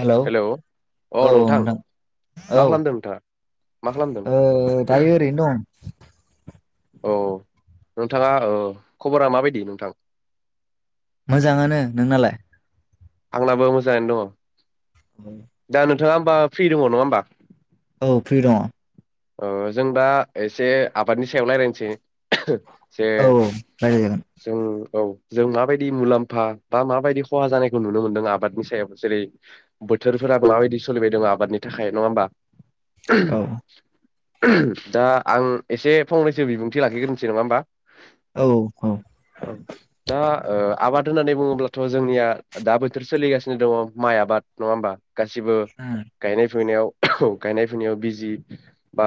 Hello अ औ नोंथां नोंथां मा खालामदों नोंथाङा मा खालामदों औ ओ दायो ओरैनो दं औ नोंथाङा ओ खबरा माबायदि नोंथां मोजाङानो नोंनालाय आंनाबो मोजाङैनो दङ दा नो नोंथाङा होमबा फ्रि दङ नङा होमबा औ फ्रि दङ अ जों दा एसे आबादनि सायाव लायरायनसै औ औ रायलायजागोन औ जों माबायदि मुलाम्फा बा माबायदि खहा जानायखौ नुनो मोनदों आबादनि सायाव जेरै बोथोरफोरा माबायदि सोलिबायदों आबादनि थाखाय नङा होमबा औ [unintelligible] [unintelligible] दा आं एसे फंनैसो बिबुंथि लाखिग्रोनोसै नङा होमबा दा औ औ ओ आबाद होननानै बुङोब्लाथ' जोंनिया दा बोथोर सोलिगासिनो दङ माइ आबाद नङा होमबा गासिबो उम गायनाय फुनायाव औ गायनाय फुनायाव बिजि बा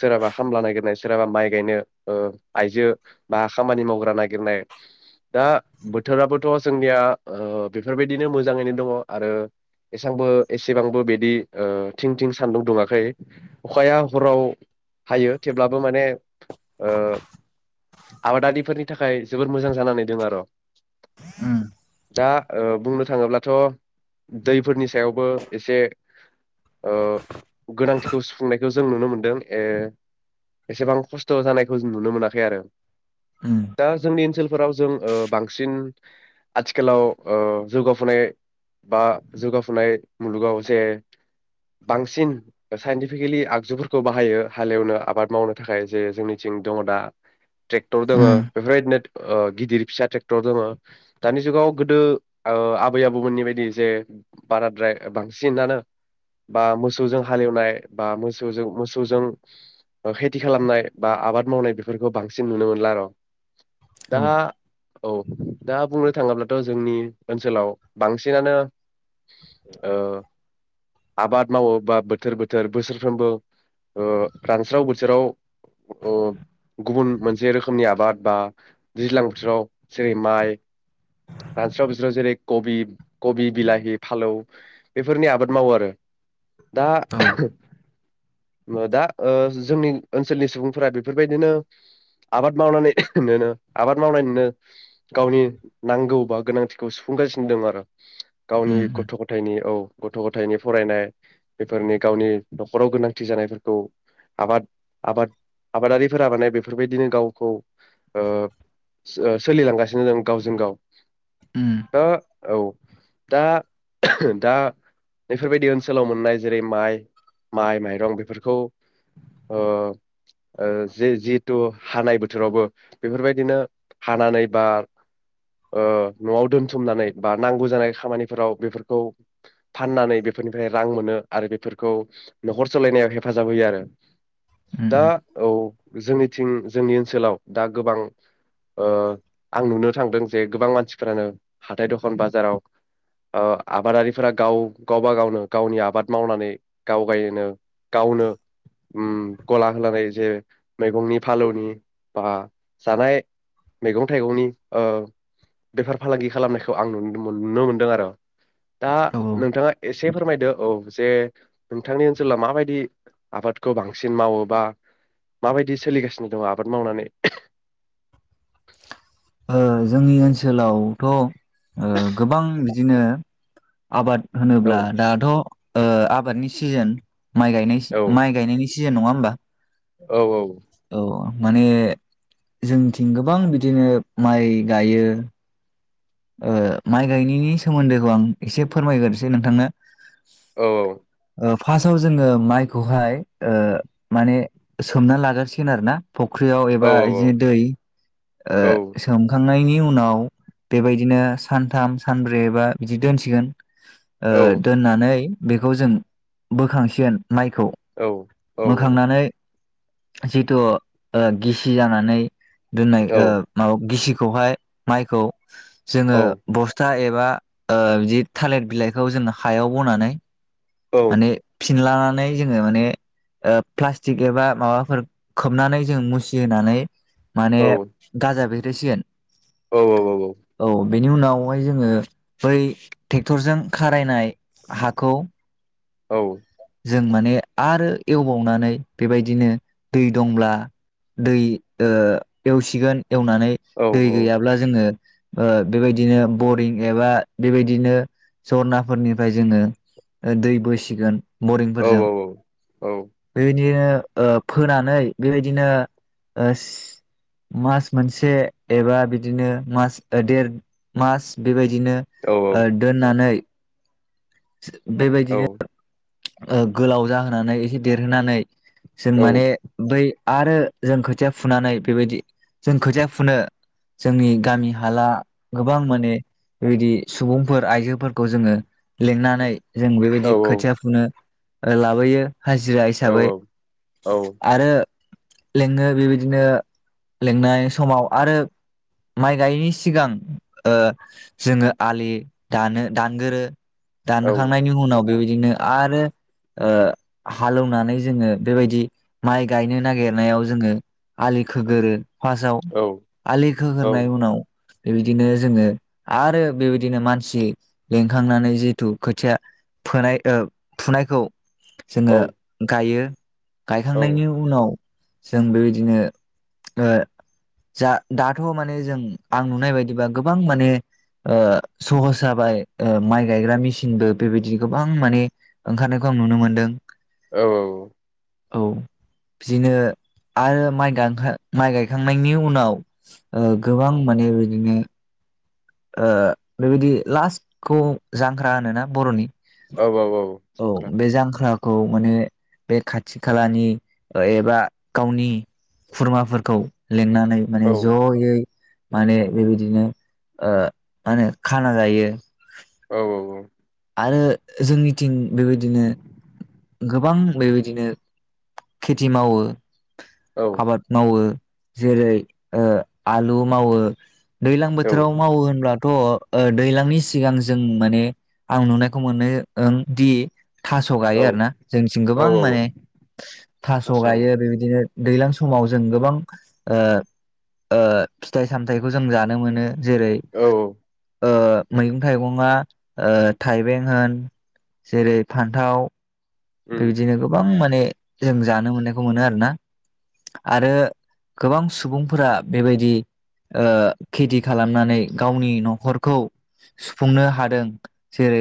सोरहाबा खामला नागिरनाय सोरहाबा माइ गायनो ओ आइजो बा खामानि मावग्रा नागिरनाय दा बोथोराबोथ' जोंनिया ओ बेफोरबायदिनो मोजाङैनो दङ आरो एसेबांबो एसेबांबो बिदि ओ थिं थिं सान्दुं दुङाखै अखाया हराव हायो थेवब्लाबो माने ओ आबादारिफोरनि थाखाय जोबोर मोजां जानानै दं आरो दा ओ बुंनो था थाङोब्लाथ' दैफोरनि सायावबो एसे ओ गोनांथि सुंफुंनायखौ जों नुनो मोनदों ए एसेबां खस्थ' जानायखौ जों नुनो मोनाखै आरो उम दा जोंनि ओनसोल फोराव जों ओ बांसिन आथिखालाव जौगाफुनाय बा जौगाफुनाय मुलुगाव जे बांसिन साइन्टिफिकेलि आगजुफोरखौ बाहायो हालेवनो आबाद मावनो थाखाय जे जोंनिथिं दङ दा ट्रेक्टर दङो उम उम बेफोरबायदिनो ओ गिदिर फिसा ट्रेक्टर दङ दानि जुगाव गोदो ओ आबै आबौमोननि बायदि जे बाराद्राय बांसिनानो बा मोसौजों हालेवनाय बा मो सौजो मोसौजों खेथि खालामनाय बा आबाद मावनाय बेफोरखौ बांसिन नुनो मोनला आर' दा औ औ दा बुंनो थाङोब्लाथ' जोंनि ओनसोलाव बांसिनानो आबाद ओ मावो बा बोथोर बोथोर बोसोर बोसोरफ्रोमबो रानस्राव बोथोराव ओ गुबुन मोनसे रोखोमनि आबाद बा दैज्लां बोथोराव जेरै माइ रानस्राव बोथोराव जेरै कबि कबि बिलाहि फालौ बेफोरनि आबाद मावो आरो दा औ [unintelligible] ओ दा जोंनि ओनसोलनि सुबुंफोरा बेफोरबायदिनो आबाद मावनानैनोनो आबाद मावनानैनो गावनि नांगौ बा गोनांथिखौ सुफुंगासिनो दं आरो गावनि उम उम गथ' गथायनि औ गथ' गथायाइनि फरायनाय बेफोरनि गावनि नखराव गोनांथि जानायफोरखौ आबाद आबाद आबादारिफोरा माने बेफोरबायदिनो गावखौ ओ सोलिलांगासिनो दं गावजों गाव उम दा औ दा दा बेफोरबायदि ओनसोलाव मोननाय जेरै माइ माइ माइरं बेफोरखौ ओ जे जिहेथु हानाय बोथोरावबो बेफोरबायदिनो हानानै बा ओ न'आव दोनथुमनानै बा नांगौ जानाय खामानिफोराव बेफोरखौ फाननानै बेफोरनिफ्राय रां मोनो आरो बेफोरखौ नखर सलायनायाव हेफाजाब होयो आरो दा औ जोंनि थिं जोंनि ओनसोलाव दा गोबां ओ आं नुनो थांदों जे गोबां मानसिफोरानो हाथाइ दखान बाजाराव ओ आबादारिफोरा गाव गावबा गावनो गावनि आबाद मावनानै गाव गायोनो गावनो उम गला होलाबायो जे मैगंनि फालौनि बा जानाय मैगं थाइगंनि बेफार फालांगि खालामनायखौ आं नुनो मोनदों आरो दा औ नोंथाङा एसे एसे फोरमायदो औ जे नोंथांनि ओनसोलाव माबायदि आबादखौ बांसिन मावोबा माबायदि सोलिगासिनो दङ आबाद मावनानै ओ जोंनि ओनसोलावथ' गोबां बिदिनो आबाद औ होनोब्ला दाथ' ओ आबादनि सिजोन माइ गाय औ माइ गायनायनि सिजेन नङा होमबा औ औ औ माने जोंथिं गोबां बिदिनो माइ गायो ओ माइ गायनायनि सोमोन्दोखौ आं एसे फोरमायग्रोसै नोंथांनो औ ओ फार्स्टआव जोङो माइखौहाय माने सोमना लागोरसिगोन आरो ना फख्रियाव औ एबा इदिनो दै औ सोमखांनायनि उनाव बेबायदिनो सानथाम सानब्रैबा बिदि दोनसिगोन ओ दोननानै बेखौ जों बोखांसिगोन माइखौ औ औ बोखांनानै जिथु ओ गिसि जानानै दोननाय ओ माबा गिसि खौहाय माइखौ औ जोङो बस्था ए बा ओ बिदि थालिर बिलाइखौ जों हायाव बनानै औ माने फिनला नानै जोङो माने ओ प्लासटिक एबा माबाफोर खोबनानै जों मुसि होनानै माने गाजा बे रसिगोन औ औ औ औ औ बेनि उनावहाय जोङो बै ट्रेक्टरजों खारायनाय हाखौ औ जों माने आरो एवबावनानै बेबायदिनो दै दंब्ला दै ओ एवसिगोन एवनानै दै गैयाब्ला जोङो ओ बेबायदिनो बरिं एबा बेबायदिनो सरनाफोरनिफ्राय जोङो दै बोसिगोन बरिंफोरजों औ बे दिनो ओ फोनानै बेबायदिनो ओ मास मोनसे एबा बिदिनो मास देर मास बेबाय बिदिनो औ औ ओ दोननानै औ बेबायदिनो गोलाव जाहोनानै एसे देरहोनानै जों माने बै आरो जों खोथिया फुनानै बेबायदि जों खोथिया फुनो जोंनि गामि हाला गोबां माने बेबायदि सुबुंफोर आइजोफोरखौ जोङो लिंनानै जों औ बेबायदि खोथिया फुनो लाबोयो। हाजिरा औ हिसाबै आरो लिङो बेबायदिनो लिंनाय समाव आरो माइ गायैनि सिगां औ जोङो आलि दानो दानगोरो। दानखांनायनि उनाव बेबायदि बिदिनो आरो ओ हालौवनानै जोङो बेबायदि माइ गायनो नागिरनायाव जोङो आलि खोगोरो फार्स्टआव आलि खोगोरनाय उनाव बेबायदिनो जोङो आरो बेबायदिनो मानसि लिंखांनानै जिहेथु खोथिया फोनाय थुनायखौ जोङो गायो। गायखांनायनि उनाव जों बेबायदिनो ओ जा दाथ' माने जों आं नुनाय बायदिबा गोबां माने ओ सहस जाबाय माइ गायग्रा मेसिनबो बेबायदिनो गोबां माने ओंखारनायखौ आं नुनो मोनदों। औ औ औ बिदिनो आरो माइ गांखा माइ गायखांनायनि उनाव ओ गोबां माने बिदिनो ओ बेबायदि लास्टखौ जांख्रा होनोना बर'नि औ औ औ जांख्रा खौ माने बे खाथि खालानि एबा गावनि खुरमाफोरखौ लिंनानै माने जयै माने बेबायदिनो ओ मा होनो खाना जायो। औ औ औ आरो जोंनिथिं बेबायदिनो गोबां बेबायदिनो खेथि मावो औ आबाद मावो जेरै ओ आलु मावो दैलां बोथोराव मावो होनब्लाथ' ओ दैलांनि सिगां जों माने आं नुनायखौ मोनोओ दि थास' औ गायो आरो ना जोंनिथिम गोबां माने थास' गायो बेबायदिनो दैलां समाव जों गोबां ओ ओ फिथाइ सामथायाइखौ जों जानो मोनो जेरै मैगं थाइगंआ ओ थाइबें होन जेरै फान्थाव उम बेबायदिनो गोबां माने जों जानो मोननायखौ मोनो आरोना आरो गोबां सुबुंफोरा बेबायदि ओ खेथि खालामनानै गावनि न'खरखौ सुफुंनो हादों जेरै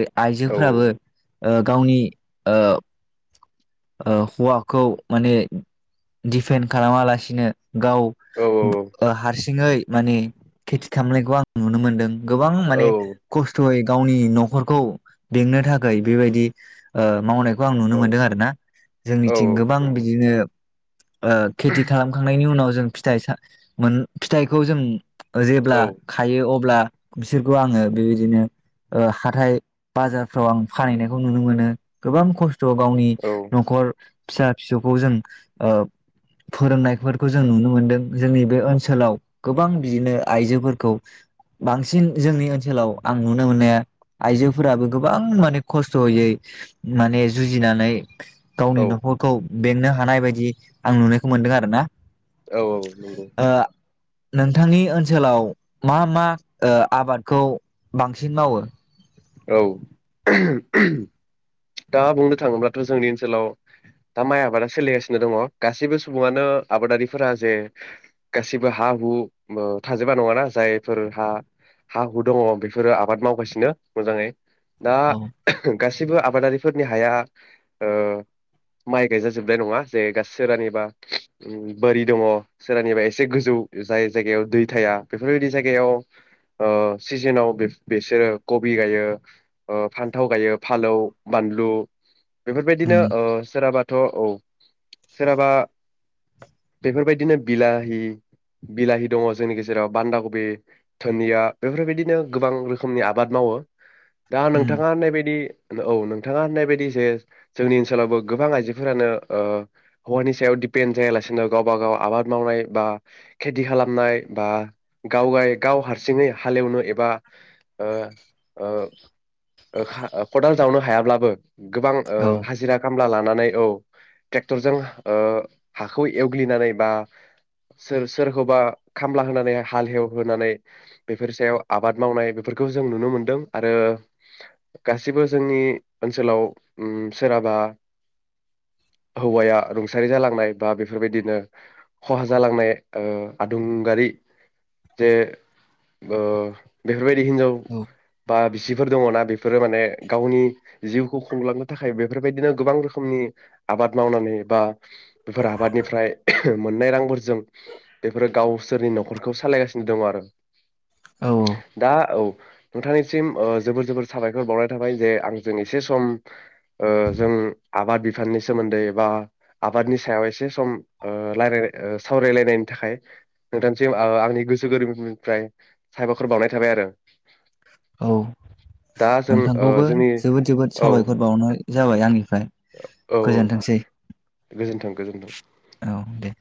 औ आइजोफ्राबो ओ गावनि ओ ओ हौवाखौ माने दिफेन्ड खालामालासिनो गाव औ हारसिङै माने खेथि खालामनायखौ आं नुनो मोन्दों गोबां औ माने खस्थ'यै गावनि न'खरखौ बेंनो थाखाय बेबायदि ओ मावनायखौ आं नुनो मोनदों आरोना औ जोंनिथिं गोबां नंगौ बिदिनो ओ खेथि खालामखांनायनि उनाव जों फिथाइ मोन फिथाइखौ जों औ जेब्ला खायो अब्ला बिसोरखौ आङो बेबायदिनो ओ हाथाय बाजारफ्राव आं फानहैनायखौ नुनो मोनो गोबां खस्थ' खस्थ' गावनि न'खर फिसा फिसौखौ जों ओ फोरोंनायफोरखौ जों नुनो मोनदों जोंनि बे ओनसोलाव गोबां बिदिनो आइजोफोरखौ बांसिन जोंनि ओनसोलाव आं नुनो मोननाया आइजोफोराबो गोबां माने खस्थ'यै माने जुजिनानै गावनि औ न'खरखौ बेंनो हानाय बायदि आं नुनायखौ मोनदों आरो ना औ औ ओ औ नोंथांनि ओनसोलाव मा मा ओ आबादखौ बांसिन मावो औ दा बुंनो थाङोब्लाथ' जोंनि ओनसोलाव दा माइ आबादा सोलिगासिनो दङ गासैबो सुबुङानो आबादारिफोरा जे गासिबो हा हु थाजोबा नङाना जायफोर हा हा हु दङ बेफोरो आबाद मावगासिनो मोजाङै दा औ गासिबो आबादारिफोरनि हाया ओ माइ गायजाजोबनाय नङा जे सोरानिबा बोरि दङ सोरानिबा एसे गोजौ जाय जायगायाव दै थाया बेफोरबायदि जायगायाव सिजोनाव बिसोरो कबि गायो फान्थाव गायो फालौ बानलु बेफोरबायदिनो उम ओ सोरहाबा थ' औ सोरहाबा बेफोरबायदिनो बिलाहि बिलाहि दङ जोंनि गेजेराव बान्दागबि दोनिया बेफोरबायदिनो गोबां रोखोमनि आबाद मावो दा उम नोंथाङा होननायबादि औ नोंथाङा होननाय बायदि जे जोंनि ओनसोलावबो गोबां आइजोफोरानो ओ हौवानि सायाव दिपेन्ड जायालासिनो गावबा गाव आबाद मावनाय बा खेथि खालामनाय बा गाव गाव हारसिङै हालेवनो एबा ओ ओ हा खदाल जावनो हायाब्लाबो गोबां औ ओ हाजिरा खामला लानानै औ ट्रेक्टरजों ओ हाखौ एवग्लिनानै बा सोर सोरखौबा खामला होनानै हाल हेवहोनानै बेफोर सायाव आबाद मावनाय बेफोरखौ जों नुनो मोनदों आरो गासिबो जोंनि ओनसोलाव सोरहाबा हौवाया रुंसारि जालांनाय बा बेफोरबायदिनो खहा जालांनाय ओ आदुंगारि जे ओ बेफोर बेबायदि हिनजाव औ बा बिसिफोर दङ ना बेफोरो माने गावनि जिउखौ खुंलांनो थाखाय बेफोरबायदिनो गोबां रोखोमनि आबाद मावनानै बा बेफोर आबादनिफ्राय मोननाय रांफोरजों बेफोरो गावसोरनि न'खरखौ सालायगासिनो दङ आरो औ दा औ नोंथांनिसिम ओ जोबोर जोबोर साबायखर बाउ थाबाय जे आंजों एसे सम ओ जों आबाद बिफाननि सोमोन्दै बा आबादनि सायाव एसे सम ओ राय सावरायलायनायनि थाखाय नोंथांसिम आंनि गोसो गोरबोनिफ्राय साबायखर बावनाय थाबाय आरो । औ दा जों नोंथां ओ खौबो जोंनि जोबोद जोबोद औ साबायखर औ बावनो जाबाय आंनि फ्राय औ गोजोनथोंसै गोजोन्थों गोजोन्थों औ दे